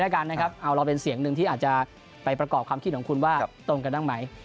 เอาเราเป็นเสียงหนึ่งที่อาจจะไปประกอบความคิดของคุณว่าตรงกันด้านไหม